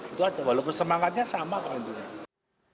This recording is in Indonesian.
itu aja walaupun semangatnya sama kan intinya